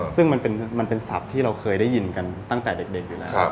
ซึ่งมันเป็นศัพท์ที่เราเคยได้ยินกันตั้งแต่เด็กอยู่แล้ว